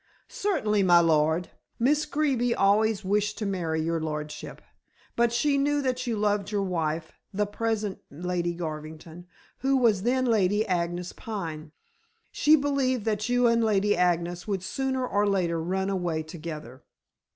"Certainly, my lord. Miss Greeby always wished to marry your lordship, but she knew that you loved your wife, the present Lady Garvington, who was then Lady Agnes Pine. She believed that you and Lady Agnes would sooner or later run away together."